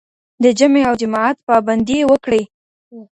د جمعې او جماعت پابندي وکړئ.